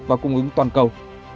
và cung ứng toàn cầu